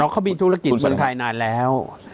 เขามีธุรกิจบนไทยนานแล้ว